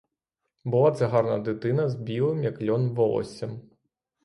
Була це гарна дитина з білим, як льон, волоссям.